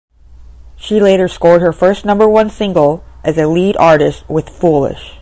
She later scored her first number-one single as a lead artist with "Foolish".